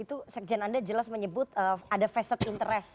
itu sekjen anda jelas menyebut ada facet interest